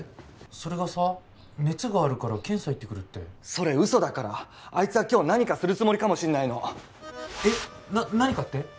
それがさ熱があるから検査行ってくるってそれ嘘だからあいつは今日何かするつもりかもしんないのえっ何かって？